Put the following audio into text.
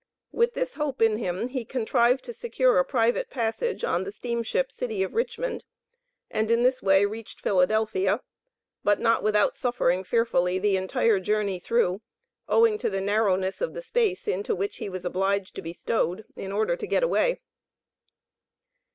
With this hope in him, he contrived to secure a private passage on the steamship City of Richmond, and in this way reached Philadelphia, but not without suffering fearfully the entire journey through, owing to the narrowness of the space into which he was obliged to be stowed in order to get away.